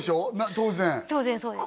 当然当然そうです